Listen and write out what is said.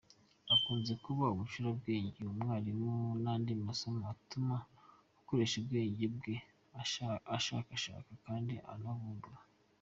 Akunze kuba umucurabwenge, umwarimu n’andi masomo atuma akoresha ubwenge bwe ashakashaka kandi anavumbura.